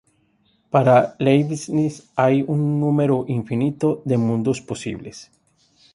Para Leibniz hay un número infinito de mundos posibles.